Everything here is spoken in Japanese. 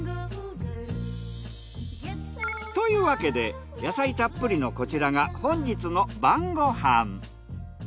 というわけで野菜たっぷりのこちらが本日の晩ご飯。